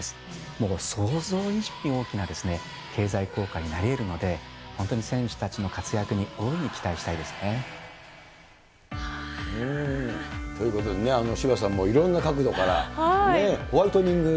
もう想像以上に大きな経済効果になりえるので、本当に選手たちの活躍に、ということでね、渋谷さんもいろんな角度からね、ホワイトニング。